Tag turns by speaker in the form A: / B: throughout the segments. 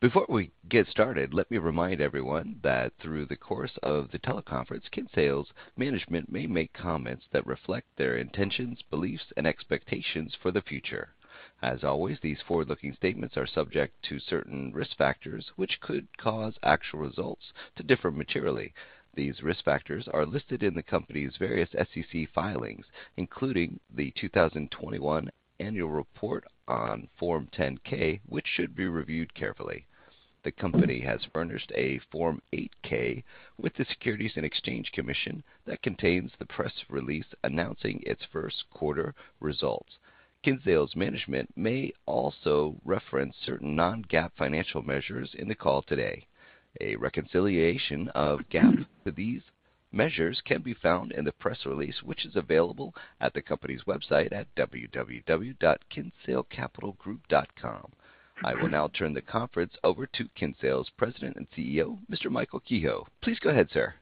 A: Before we get started, let me remind everyone that through the course of the teleconference, Kinsale's management may make comments that reflect their intentions, beliefs, and expectations for the future. As always, these forward-looking statements are subject to certain risk factors which could cause actual results to differ materially. These risk factors are listed in the company's various SEC filings, including the 2021 annual report on Form 10-K, which should be reviewed carefully. The company has furnished a Form 8-K with the Securities and Exchange Commission that contains the press release announcing its first quarter results. Kinsale's management may also reference certain Non-GAAP financial measures in the call today. A reconciliation of GAAP to these measures can be found in the press release, which is available at the company's website at www.kinsalecapitalgroup.com. I will now turn the conference over to Kinsale's President and CEO, Mr. Michael Kehoe. Please go ahead, sir.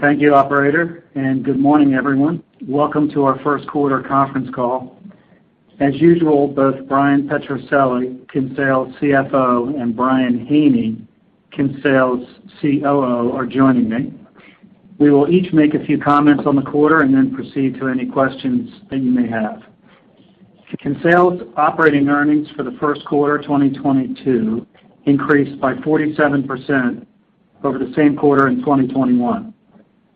B: Thank you, operator, and good morning, everyone. Welcome to our first quarter conference call. As usual, both Bryan Petrucelli, Kinsale's CFO, and Brian Haney, Kinsale's COO, are joining me. We will each make a few comments on the quarter and then proceed to any questions that you may have. Kinsale's operating earnings for the first quarter 2022 increased by 47% over the same quarter in 2021,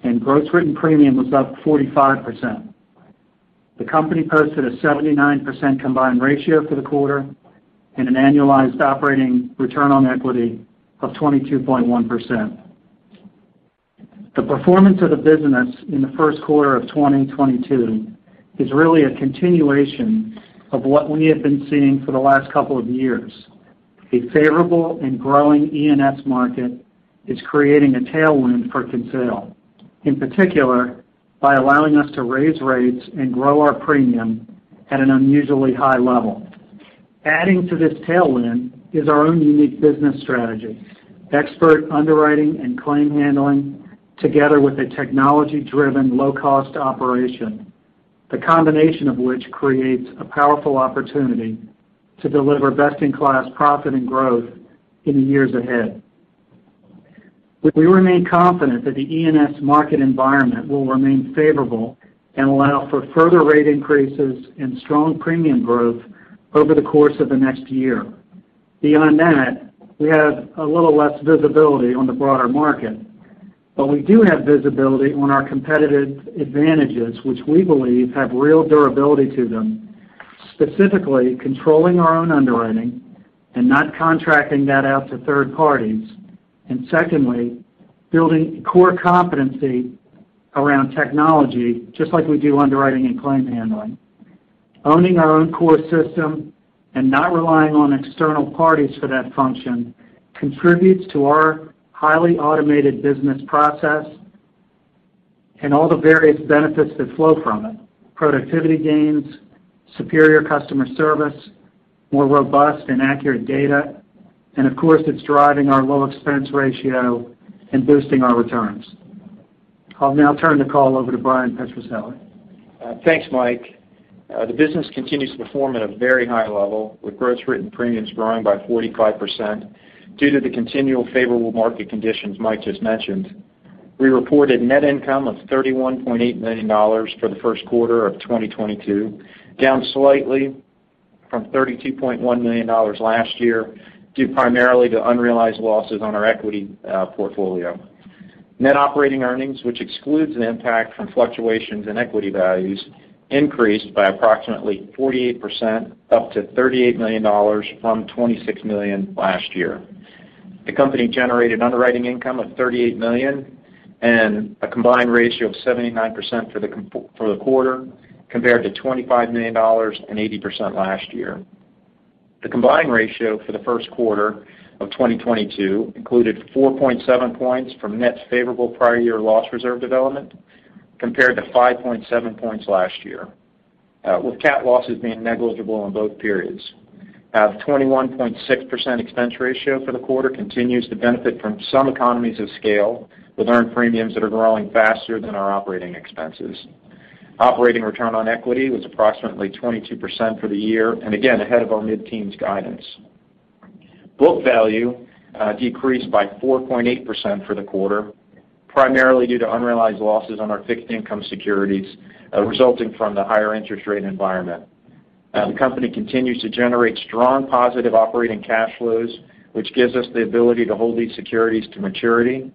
B: and gross written premium was up 45%. The company posted a 79% combined ratio for the quarter and an annualized operating return on equity of 22.1%. The performance of the business in the first quarter of 2022 is really a continuation of what we have been seeing for the last couple of years. A favorable and growing E&S market is creating a tailwind for Kinsale, in particular by allowing us to raise rates and grow our premium at an unusually high level. Adding to this tailwind is our own unique business strategy, expert underwriting and claim handling, together with a technology-driven low-cost operation, the combination of which creates a powerful opportunity to deliver best-in-class profit and growth in the years ahead. We remain confident that the E&S market environment will remain favorable and allow for further rate increases and strong premium growth over the course of the next year. Beyond that, we have a little less visibility on the broader market. We do have visibility on our competitive advantages, which we believe have real durability to them, specifically controlling our own underwriting and not contracting that out to third parties. Secondly, building core competency around technology, just like we do underwriting and claim handling. Owning our own core system and not relying on external parties for that function contributes to our highly automated business process and all the various benefits that flow from it, productivity gains, superior customer service, more robust and accurate data, and of course, it's driving our low expense ratio and boosting our returns. I'll now turn the call over to Bryan Petrucelli.
C: Thanks, Mike. The business continues to perform at a very high level, with gross written premiums growing by 45% due to the continual favorable market conditions Mike just mentioned. We reported net income of $31.8 million for the first quarter of 2022, down slightly from $32.1 million last year, due primarily to unrealized losses on our equity portfolio. Net operating earnings, which excludes the impact from fluctuations in equity values, increased by approximately 48%, up to $38 million from $26 million last year. The company generated underwriting income of $38 million and a combined ratio of 79% for the quarter, compared to $25 million and 80% last year. The combined ratio for the first quarter of 2022 included 4.7 points from net favorable prior year loss reserve development compared to 5.7 points last year, with cat losses being negligible in both periods. 21.6% expense ratio for the quarter continues to benefit from some economies of scale with earned premiums that are growing faster than our operating expenses. Operating return on equity was approximately 22% for the year, and again, ahead of our mid-teens guidance. Book value decreased by 4.8% for the quarter, primarily due to unrealized losses on our fixed income securities, resulting from the higher interest rate environment. The company continues to generate strong positive operating cash flows, which gives us the ability to hold these securities to maturity,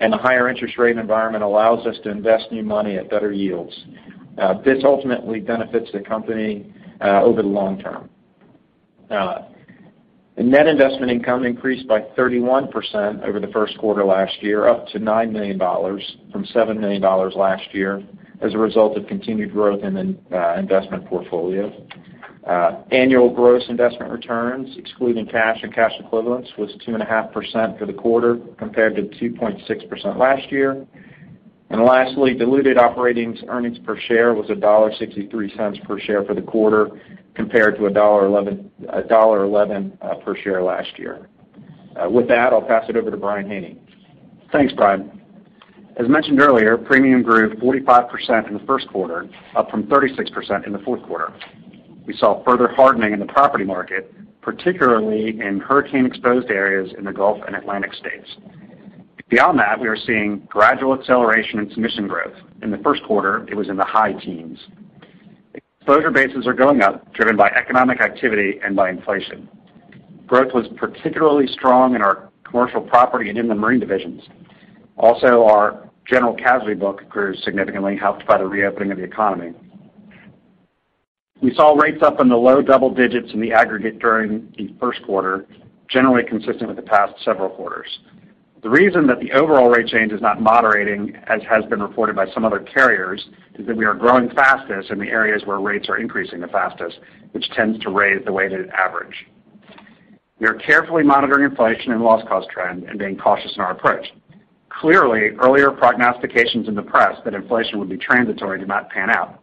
C: and the higher interest rate environment allows us to invest new money at better yields. This ultimately benefits the company over the long term. Net investment income increased by 31% over the first quarter last year, up to $9 million from $7 million last year as a result of continued growth in the investment portfolio. Annual gross investment returns, excluding cash and cash equivalents, was 2.5% for the quarter compared to 2.6% last year. Lastly, diluted operating earnings per share was $1.63 per share for the quarter compared to $1.11 per share last year. With that, I'll pass it over to Brian Haney.
D: Thanks, Bryan. As mentioned earlier, premium grew 45% in the first quarter, up from 36% in the fourth quarter. We saw further hardening in the property market, particularly in hurricane exposed areas in the Gulf and Atlantic states. Beyond that, we are seeing gradual acceleration in submission growth. In the first quarter, it was in the high teens. Exposure bases are going up, driven by economic activity and by inflation. Growth was particularly strong in our commercial property and in the marine divisions. Also, our general casualty book grew significantly helped by the reopening of the economy. We saw rates up in the low double digits in the aggregate during the first quarter, generally consistent with the past several quarters. The reason that the overall rate change is not moderating, as has been reported by some other carriers, is that we are growing fastest in the areas where rates are increasing the fastest, which tends to raise the weighted average. We are carefully monitoring inflation and loss cost trend and being cautious in our approach. Clearly, earlier prognostications in the press that inflation would be transitory did not pan out.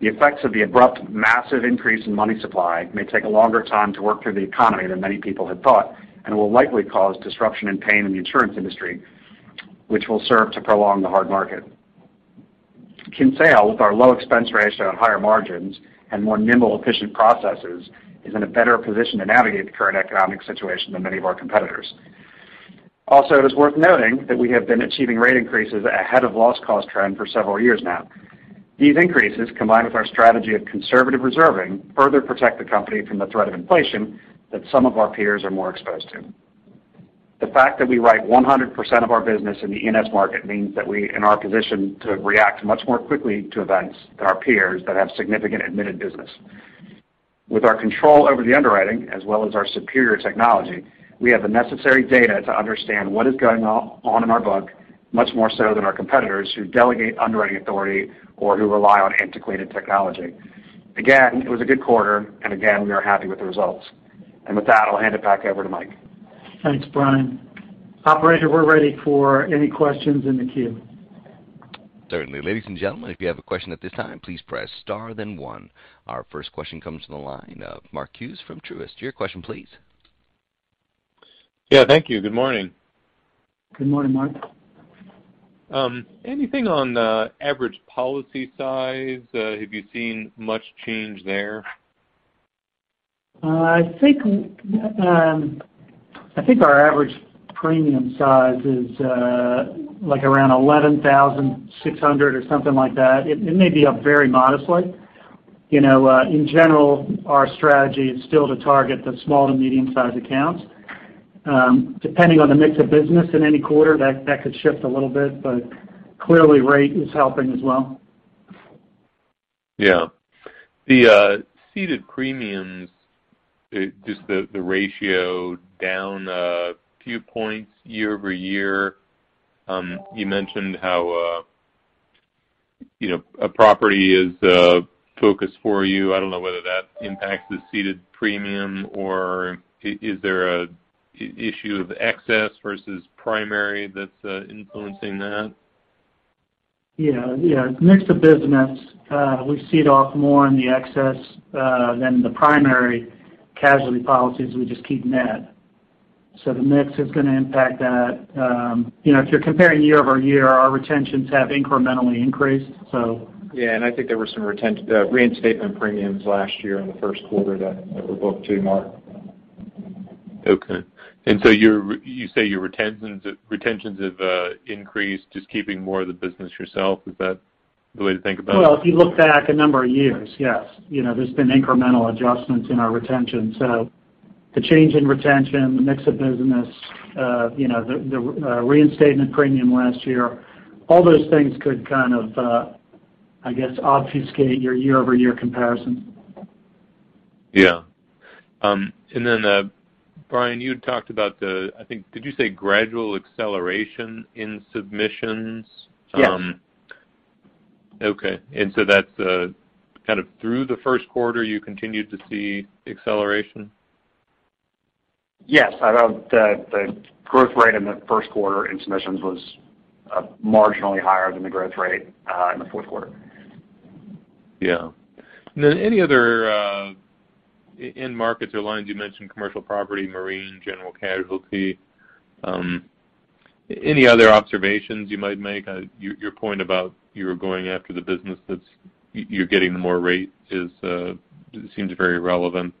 D: The effects of the abrupt, massive increase in money supply may take a longer time to work through the economy than many people had thought, and will likely cause disruption and pain in the insurance industry, which will serve to prolong the hard market. Kinsale, with our low expense ratio and higher margins and more nimble, efficient processes, is in a better position to navigate the current economic situation than many of our competitors. Also, it is worth noting that we have been achieving rate increases ahead of loss cost trend for several years now. These increases, combined with our strategy of conservative reserving, further protect the company from the threat of inflation that some of our peers are more exposed to. The fact that we write 100% of our business in the E&S market means that we are in our position to react much more quickly to events than our peers that have significant admitted business. With our control over the underwriting as well as our superior technology, we have the necessary data to understand what is going on in our book, much more so than our competitors who delegate underwriting authority or who rely on antiquated technology. Again, it was a good quarter, and again, we are happy with the results. With that, I'll hand it back over to Mike.
B: Thanks, Brian. Operator, we're ready for any questions in the queue.
A: Certainly. Ladies and gentlemen, if you have a question at this time, please press star then one. Our first question comes from the line of Mark Hughes from Truist. Your question please.
E: Yeah, thank you. Good morning.
B: Good morning, Mark.
E: Anything on average policy size? Have you seen much change there?
B: I think our average premium size is like around $11,600 or something like that. It may be up very modestly. You know, in general, our strategy is still to target the small to medium-sized accounts. Depending on the mix of business in any quarter, that could shift a little bit, but clearly rate is helping as well.
E: Yeah. The ceded premiums, just the ratio down a few points year-over-year. You mentioned how, you know, property is focused for you. I don't know whether that impacts the ceded premium, or is there an issue of excess versus primary that's influencing that?
B: Mix of business, we cede off more on the excess than the primary casualty policies we just keep net. The mix is gonna impact that. If you're comparing year-over-year, our retentions have incrementally increased.
D: Yeah, I think there were some reinstatement premiums last year in the first quarter that were booked too, Mark.
E: Okay. You say your retentions have increased, just keeping more of the business yourself. Is that the way to think about it?
B: Well, if you look back a number of years, yes. You know, there's been incremental adjustments in our retention. The change in retention, the mix of business, you know, the reinstatement premium last year, all those things could kind of, I guess, obfuscate your year-over-year comparison.
E: Yeah. Brian, you talked about the, I think, did you say gradual acceleration in submissions?
D: Yes.
E: Okay. That's kind of through the first quarter, you continued to see acceleration?
D: Yes. I know the growth rate in the first quarter in submissions was marginally higher than the growth rate in the fourth quarter.
E: Yeah. Any other in markets or lines, you mentioned commercial property, marine, general casualty, any other observations you might make? Your point about you're going after the business that you're getting more rate seems very relevant.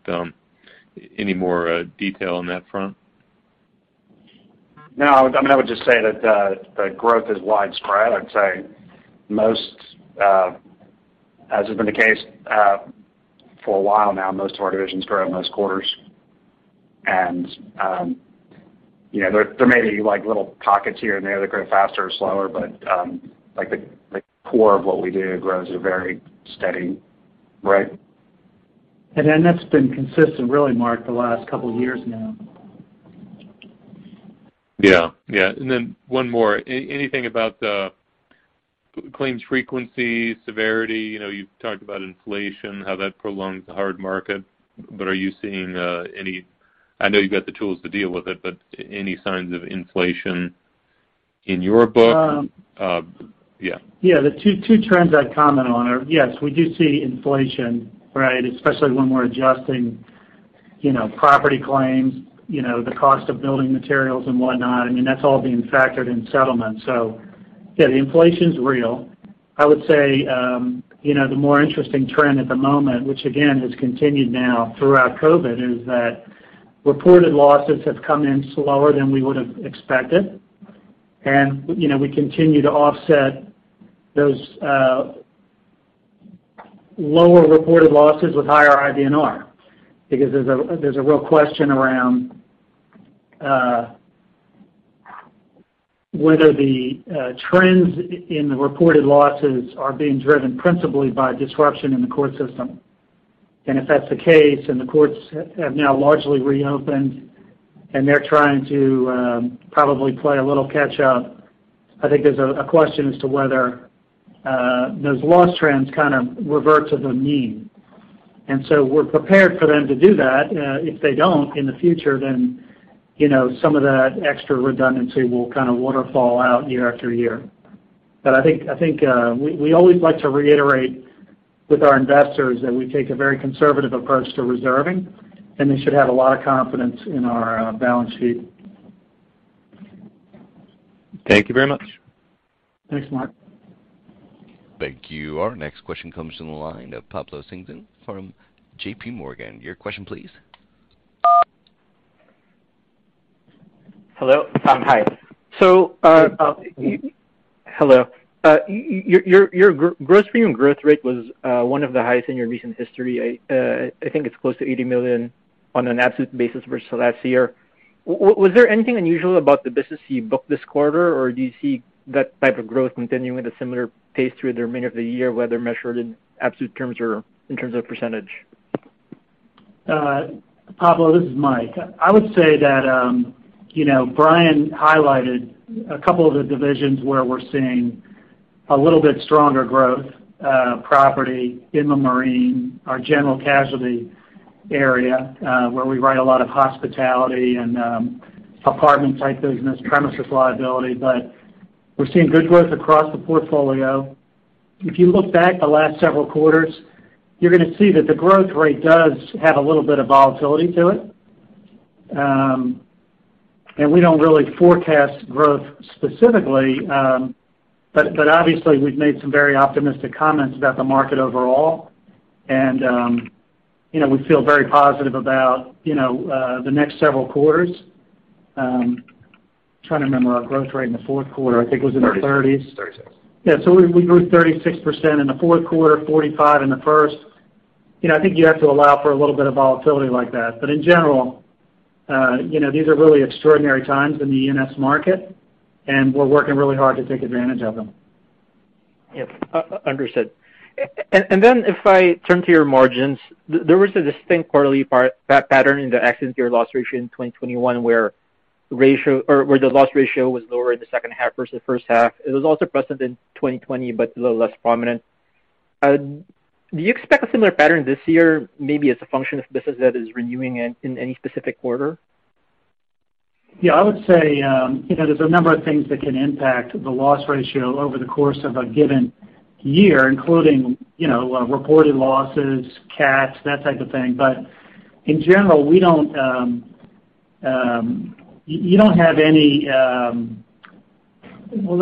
E: Any more detail on that front?
D: No. I mean, I would just say that, the growth is widespread. I'd say most, as has been the case, for a while now, most of our divisions grow most quarters. You know, there may be, like, little pockets here and there that grow faster or slower, but, like, the core of what we do grows at a very steady rate.
B: That's been consistent really, Mark, the last couple of years now.
E: Yeah. Yeah. Then one more. Anything about claims frequency, severity? You know, you've talked about inflation, how that prolongs the hard market. But are you seeing any signs of inflation in your book? I know you've got the tools to deal with it, yeah.
B: Yeah. The two trends I'd comment on are, yes, we do see inflation, right? Especially when we're adjusting. You know, property claims, you know, the cost of building materials and whatnot, I mean, that's all being factored in settlement. So yeah, the inflation's real. I would say, you know, the more interesting trend at the moment, which again has continued now throughout COVID, is that reported losses have come in slower than we would have expected. You know, we continue to offset those lower reported losses with higher IBNR because there's a real question around whether the trends in the reported losses are being driven principally by disruption in the court system. If that's the case, and the courts have now largely reopened, and they're trying to probably play a little catch up, I think there's a question as to whether those loss trends kind of revert to the mean. We're prepared for them to do that. If they don't in the future, then you know, some of that extra redundancy will kind of waterfall out year after year. I think we always like to reiterate with our investors that we take a very conservative approach to reserving, and they should have a lot of confidence in our balance sheet.
E: Thank you very much.
B: Thanks, Mark.
A: Thank you. Our next question comes from the line of Pablo Singzon from JP Morgan. Your question, please.
F: Hello, Tom. Hi. Your gross premium growth rate was one of the highest in your recent history. I think it's close to $80 million on an absolute basis versus last year. Was there anything unusual about the business you booked this quarter, or do you see that type of growth continuing at a similar pace through the remainder of the year, whether measured in absolute terms or in terms of percentage?
B: Pablo, this is Mike. I would say that, you know, Brian highlighted a couple of the divisions where we're seeing a little bit stronger growth, property, inland marine, our general casualty area, where we write a lot of hospitality and, apartment type business, premises liability. We're seeing good growth across the portfolio. If you look back the last several quarters, you're gonna see that the growth rate does have a little bit of volatility to it. we don't really forecast growth specifically, but obviously we've made some very optimistic comments about the market overall. you know, we feel very positive about, you know, the next several quarters. Trying to remember our growth rate in the fourth quarter. I think it was in the 30s%.
D: Thirty-six.
B: Yeah. We grew 36% in the fourth quarter, 45% in the first. You know, I think you have to allow for a little bit of volatility like that. In general, you know, these are really extraordinary times in the E&S market, and we're working really hard to take advantage of them.
F: Yep. Understood. If I turn to your margins, there was a distinct quarterly pattern in the accident year loss ratio in 2021, where the loss ratio was lower in the second half versus the first half. It was also present in 2020, but a little less prominent. Do you expect a similar pattern this year, maybe as a function of business that is renewing in any specific quarter?
B: Yeah. I would say, you know, there's a number of things that can impact the loss ratio over the course of a given year, including, you know, reported losses, cats, that type of thing. Well,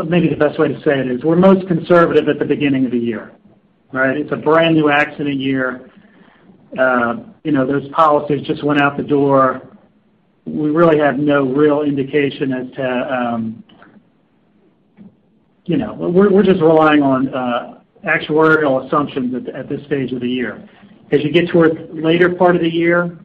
B: maybe the best way to say it is we're most conservative at the beginning of the year, right? It's a brand-new accident year. You know, those policies just went out the door. We really have no real indication as to, you know. We're just relying on actuarial assumptions at this stage of the year. As you get towards later part of the year,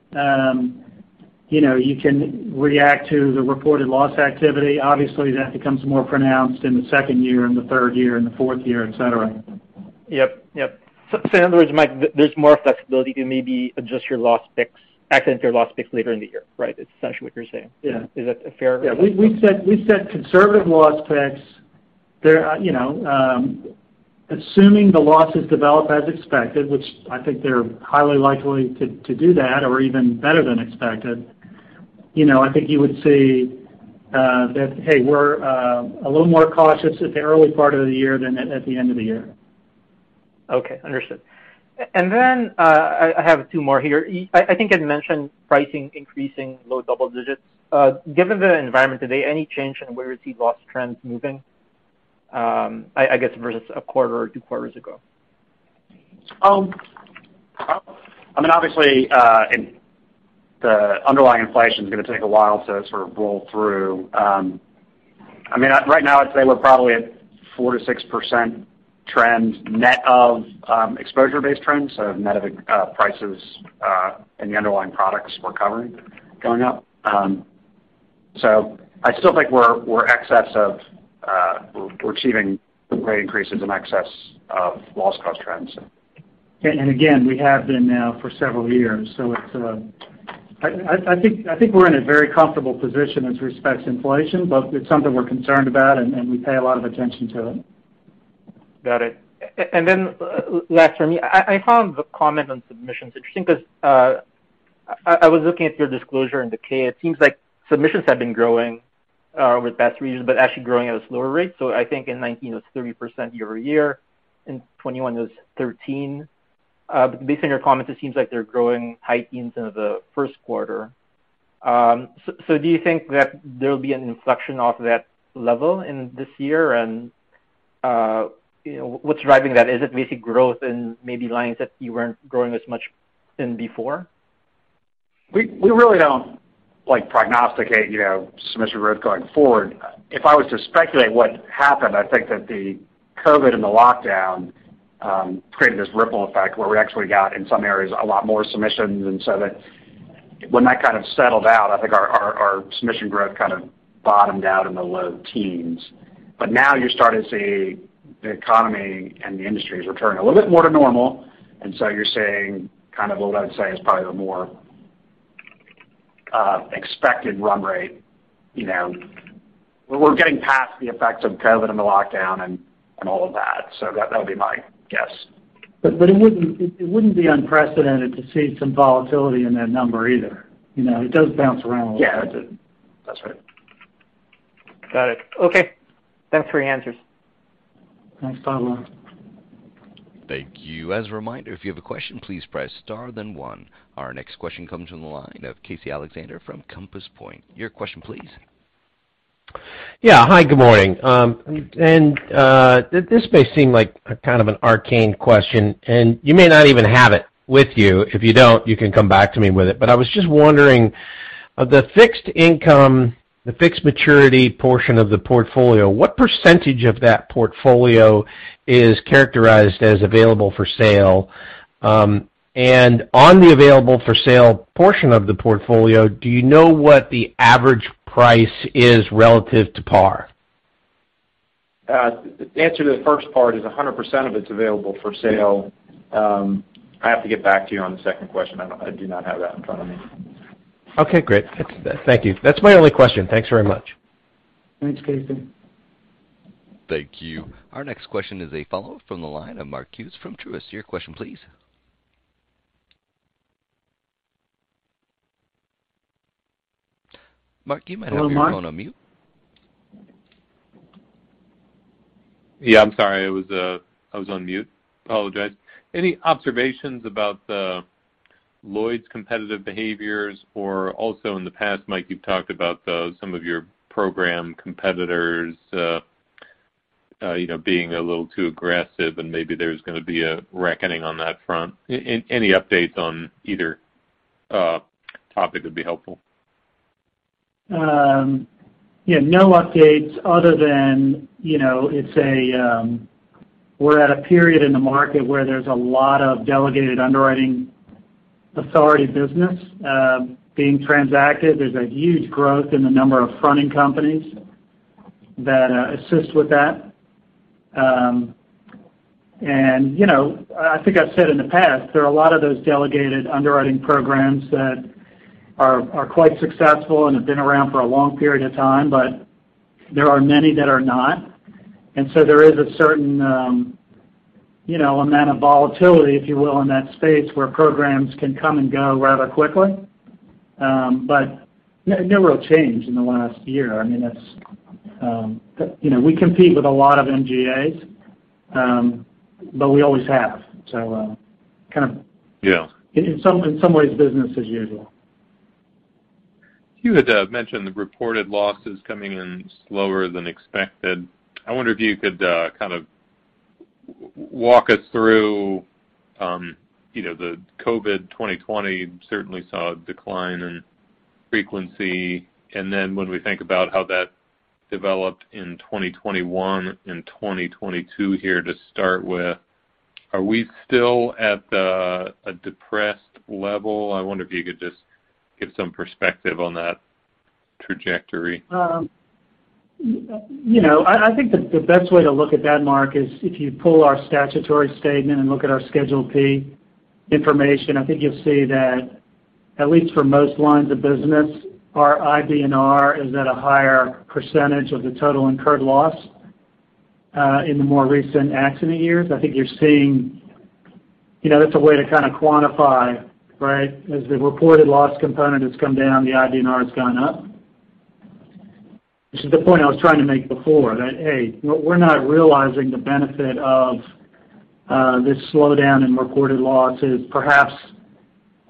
B: you know, you can react to the reported loss activity. Obviously, that becomes more pronounced in the second year and the third year and the fourth year, et cetera.
F: Yep. In other words, Mike, there's more flexibility to maybe adjust your loss picks, accident or loss picks later in the year, right? Is that what you're saying?
B: Yeah.
F: Is that fair?
B: Yeah. We set conservative loss picks. There are, you know, assuming the losses develop as expected, which I think they're highly likely to do that or even better than expected, you know, I think you would see that, hey, we're a little more cautious at the early part of the year than at the end of the year.
F: Okay. Understood. Then, I have two more here. I think I'd mentioned pricing increasing low double digits. Given the environment today, any change in where you see loss trends moving, I guess versus a quarter or two quarters ago?
D: I mean, obviously, in the underlying inflation is gonna take a while to sort of roll through. I mean, right now I'd say we're probably at 4%-6% trend net of, exposure-based trends, so net of, prices, and the underlying products we're covering going up. I still think we're excess of, we're achieving great increases in excess of loss cost trends.
B: Again, we have been now for several years. I think we're in a very comfortable position as respects inflation, but it's something we're concerned about, and we pay a lot of attention to it.
F: Got it. Then last for me, I found the comment on submissions interesting because I was looking at your disclosure in the 10-K. It seems like submissions have been growing over the past three years, but actually growing at a slower rate. I think in 2019 it was 30% year-over-year, in 2021 it was 13%. Based on your comments, it seems like they're growing high teens into the first quarter. Do you think that there'll be an inflection off of that level in this year? You know, what's driving that? Is it basically growth in maybe lines that you weren't growing as much in before?
D: We really don't, like, prognosticate, you know, submission growth going forward. If I was to speculate what happened, I think that the COVID and the lockdown created this ripple effect where we actually got, in some areas, a lot more submissions. That when that kind of settled out, I think our submission growth kind of bottomed out in the low teens. Now you're starting to see the economy and the industries returning a little bit more to normal, and so you're seeing kind of what I'd say is probably the more expected run rate. You know, we're getting past the effects of COVID and the lockdown and all of that. That would be my guess.
B: It wouldn't be unprecedented to see some volatility in that number either. You know, it does bounce around a little bit.
D: Yeah. That's it. That's right.
F: Got it. Okay. Thanks for your answers.
B: Thanks, Pablo.
A: Thank you. As a reminder, if you have a question, please press star then one. Our next question comes from the line of Casey Alexander from Compass Point. Your question please.
G: Yeah. Hi, good morning. This may seem like a kind of an arcane question, and you may not even have it with you. If you don't, you can come back to me with it. I was just wondering, of the fixed income, the fixed maturity portion of the portfolio, what percentage of that portfolio is characterized as available for sale? On the available for sale portion of the portfolio, do you know what the average price is relative to par?
D: The answer to the first part is 100% of it's available for sale. I have to get back to you on the second question. I do not have that in front of me.
G: Okay, great. That's. Thank you. That's my only question. Thanks very much.
B: Thanks, Casey.
A: Thank you. Our next question is a follow-up from the line of Mark Hughes from Truist. Your question please. Mark, you might have your phone on mute.
B: Hello, Mark.
E: Yeah, I'm sorry. I was on mute. Apologize. Any observations about the Lloyd's competitive behaviors? Also in the past, Mike, you've talked about some of your program competitors, you know, being a little too aggressive and maybe there's gonna be a reckoning on that front. Any updates on either topic would be helpful.
B: Yeah, no updates other than, you know, it's a period in the market where there's a lot of delegated underwriting authority business being transacted. There's a huge growth in the number of fronting companies that assist with that. You know, I think I've said in the past, there are a lot of those delegated underwriting programs that are quite successful and have been around for a long period of time, but there are many that are not. There is a certain, you know, amount of volatility, if you will, in that space where programs can come and go rather quickly. No real change in the last year. I mean, that's, you know, we compete with a lot of MGAs, but we always have. Kind of.
E: Yeah.
B: In some ways, business as usual.
E: You had mentioned the reported losses coming in slower than expected. I wonder if you could kind of walk us through, you know, the COVID 2020 certainly saw a decline in frequency. When we think about how that developed in 2021 and 2022 here to start with, are we still at a depressed level? I wonder if you could just give some perspective on that trajectory.
B: You know, I think the best way to look at that, Mark, is if you pull our statutory statement and look at our Schedule P information. I think you'll see that at least for most lines of business, our IBNR is at a higher percentage of the total incurred loss in the more recent accident years. I think you're seeing, you know, that's a way to kind of quantify, right? As the reported loss component has come down, the IBNR has gone up. This is the point I was trying to make before, that, hey, we're not realizing the benefit of this slowdown in reported losses. Perhaps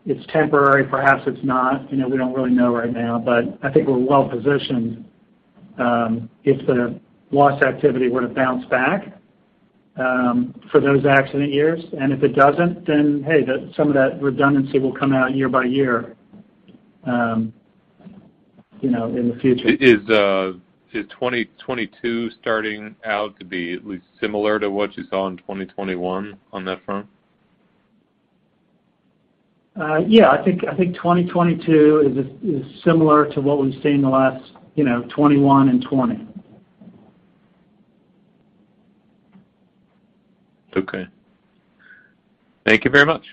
B: it's temporary, perhaps it's not. You know, we don't really know right now. I think we're well positioned if the loss activity were to bounce back for those accident years. If it doesn't, then hey, the some of that redundancy will come out year by year, you know, in the future.
E: Is 2022 starting out to be at least similar to what you saw in 2021 on that front?
B: Yeah. I think 2022 is similar to what we've seen in the last, you know, 2021 and 2020.
E: Okay. Thank you very much.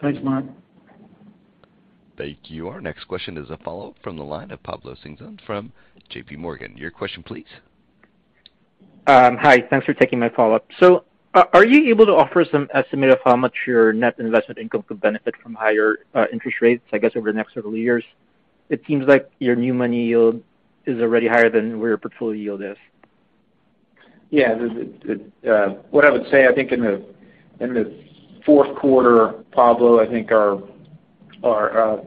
B: Thanks, Mark.
A: Thank you. Our next question is a follow-up from the line of Pablo Singzon from JPMorgan. Your question please.
F: Hi. Thanks for taking my follow-up. Are you able to offer some estimate of how much your net investment income could benefit from higher interest rates, I guess, over the next several years? It seems like your new money yield is already higher than where your portfolio yield is.
B: The what I would say, I think in the fourth quarter, Pablo, I think our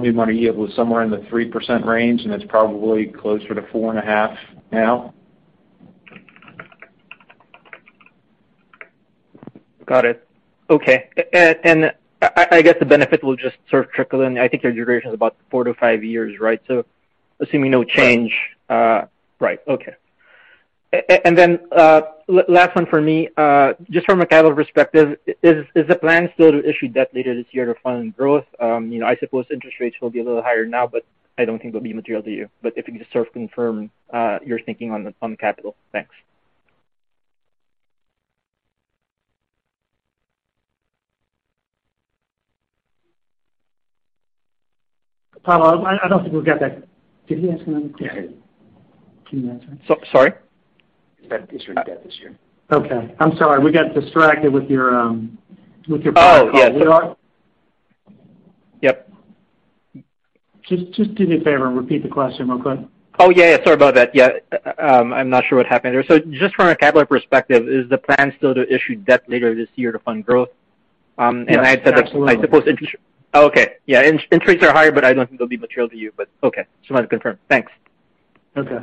B: new money yield was somewhere in the 3% range, and it's probably closer to 4.5 now.
F: Got it. Okay. I guess the benefit will just sort of trickle in. I think your duration is about 4-5 years, right? Assuming no change. Right. Okay. Then last one for me, just from a capital perspective, is the plan still to issue debt later this year to fund growth? You know, I suppose interest rates will be a little higher now, but I don't think they'll be material to you. If you could just sort of confirm your thinking on the capital. Thanks.
B: Pablo, I don't think we've got that. Did he ask another question?
F: Yeah.
B: Can you answer?
F: Sorry.
B: Is that issue debt this year? Okay. I'm sorry. We got distracted with your.
F: Oh, yes.
B: We are.
F: Yep.
B: Just do me a favor and repeat the question real quick.
F: Oh, yeah, sorry about that. Yeah. I'm not sure what happened there. Just from a capital perspective, is the plan still to issue debt later this year to fund growth?
B: Absolutely.
F: Okay. Yeah, interest rates are higher, but I don't think they'll be material to you, but okay. Just wanted to confirm. Thanks.
B: Okay.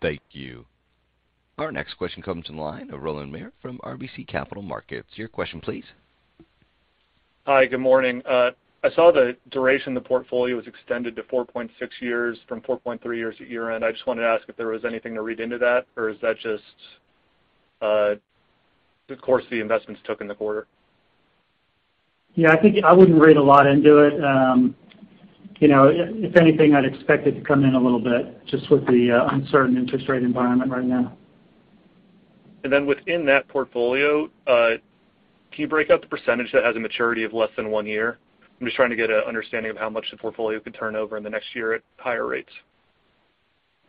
A: Thank you. Our next question comes from the line of Rowland Mayor from RBC Capital Markets. Your question please.
H: Hi. Good morning. I saw the duration of the portfolio was extended to 4.6 years from 4.3 years at year-end. I just wanted to ask if there was anything to read into that, or is that just the course the investments took in the quarter?
B: Yeah, I think I wouldn't read a lot into it. You know, if anything, I'd expect it to come in a little bit just with the uncertain interest rate environment right now.
H: Within that portfolio, can you break out the percentage that has a maturity of less than one year? I'm just trying to get an understanding of how much the portfolio could turn over in the next year at higher rates.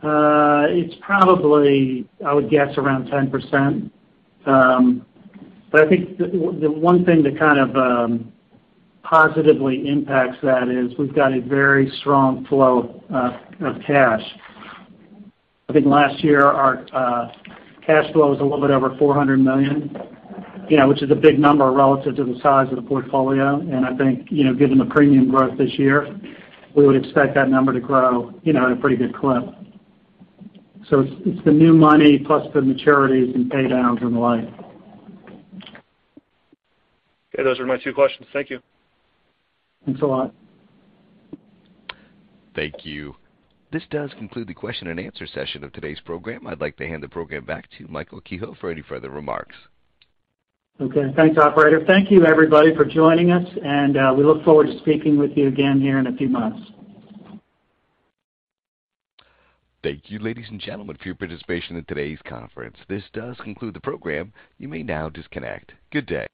B: It's probably, I would guess, around 10%. But I think the one thing that kind of positively impacts that is we've got a very strong flow of cash. I think last year, our cash flow was a little bit over $400 million, you know, which is a big number relative to the size of the portfolio. I think, you know, given the premium growth this year, we would expect that number to grow, you know, at a pretty good clip. It's the new money plus the maturities and pay downs and the like.
H: Okay. Those are my two questions. Thank you.
B: Thanks a lot.
A: Thank you. This does conclude the question-and answer-session of today's program. I'd like to hand the program back to Michael Kehoe for any further remarks.
B: Okay. Thanks, operator. Thank you, everybody, for joining us, and we look forward to speaking with you again here in a few months.
A: Thank you, ladies and gentlemen, for your participation in today's conference. This does conclude the program. You may now disconnect. Good day.